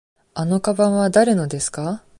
あのかばんはだれのですか。